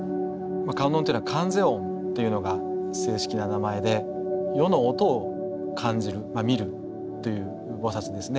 観音っていうのは観世音というのが正式な名前で世の音を観じる観るという菩ですね。